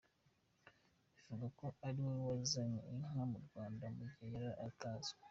Bivugwa ko ari we wazanye inka mu Rwanda mu gihe yari itazwi.